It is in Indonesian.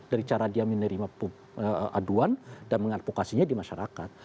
dari cara dia menerima aduan dan mengadvokasinya di masyarakat